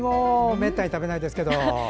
めったに食べないですけど。